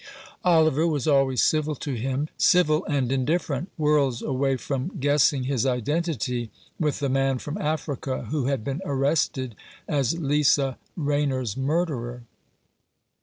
Oliver was always civil to him — civil and indifferent — worlds away from guessing his identity with the man from Africa who had been arrested as Lisa Rayner's murderer.